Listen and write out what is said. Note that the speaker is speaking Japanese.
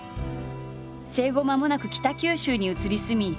生後まもなく北九州に移り住み